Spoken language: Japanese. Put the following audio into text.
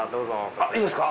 あっいいですか？